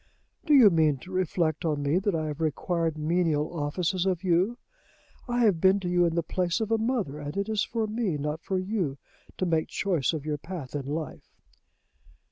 "Do you mean to reflect on me that I have required menial offices of you? I have been to you in the place of a mother; and it is for me, not for you, to make choice of your path in life."